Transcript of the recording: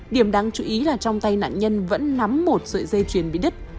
điểm đáng chú ý là trong tay nạn nhân vẫn nắm một sợi dây chuyền bị đứt